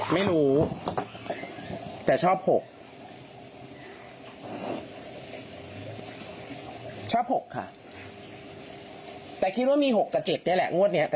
ไม่รู้แต่ชอบหก